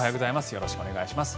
よろしくお願いします。